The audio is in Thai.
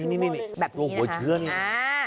นี่หัวเชื้อนี่